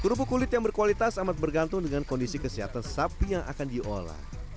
kerupuk kulit yang berkualitas amat bergantung dengan kondisi kesehatan sapi yang akan diolah